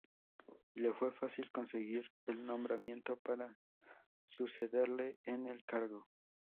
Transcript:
Y le fue fácil conseguir el nombramiento para sucederle en el cargo.